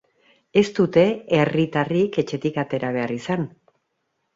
Ez dute herritarrik etxetik atera behar izan.